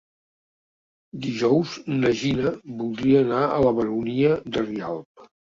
Dijous na Gina voldria anar a la Baronia de Rialb.